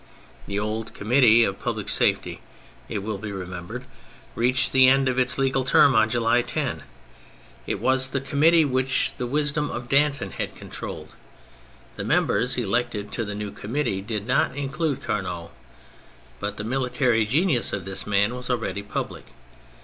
The old Committee of Public Safety, it will be remembered, reached the end of its legal term on July 10. It was the Committee 184 THE FRENCH REVOLUTION which the wisdom of Danton had controlled. The members elected to the new Committee did not include Carnot, but the military genius of this man was already public.